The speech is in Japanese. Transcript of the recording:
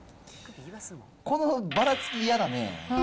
このばらつき、嫌だね。